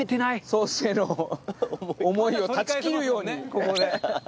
ソースへの思いを断ち切るようにここで。